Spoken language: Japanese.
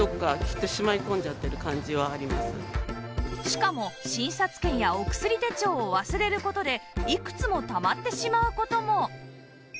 しかも診察券やお薬手帳を忘れる事でいくつもたまってしまう事も